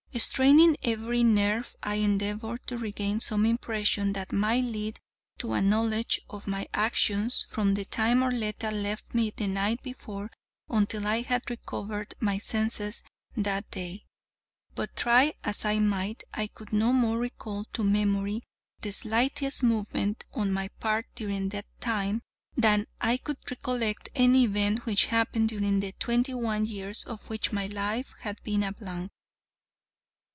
Straining every nerve I endeavored to regain some impression that might lead to a knowledge of my actions from the time Arletta left me the night before until I had recovered my senses that day. But try as I might, I could no more recall to memory the slightest movement on my part during that time than I could recollect any event which happened during the twenty one years of which my life had been a blank.